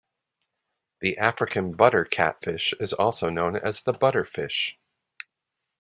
The African butter catfish is also known as the butter fish.